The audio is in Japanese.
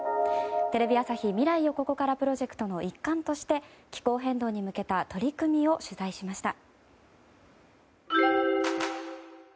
テレビ朝日未来をここからプロジェクトの一環として気候変動に向けた取り組みを取材しました。